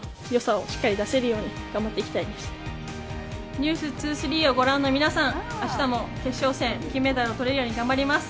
「ｎｅｗｓ２３」をご覧の皆さん、明日も決勝戦、金メダルを取れるように頑張ります。